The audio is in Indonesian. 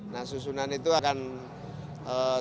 nah susunan itu akan terus